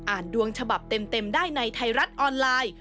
ดวงฉบับเต็มได้ในไทยรัฐออนไลน์